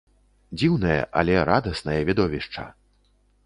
Дзіўнае, але радаснае відовішча!